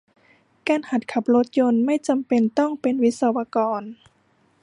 การหัดขับรถยนต์ ไม่จำเป็นต้องเป็นวิศกร